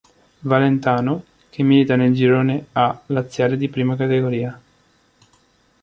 Valentano" che milita nel girone A laziale di Prima Categoria.